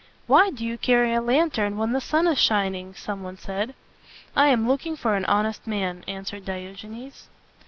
"Why do you carry a lantern when the sun is shining?" some one said. "I am looking for an honest man," answered Diogenes.